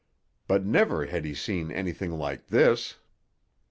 But never had he seen anything like this.